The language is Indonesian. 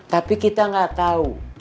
tapi kita nggak tahu